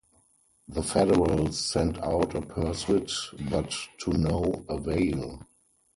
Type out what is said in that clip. The Federals sent out a pursuit but to no avail.